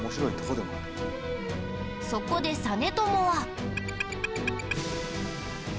そこで実朝は。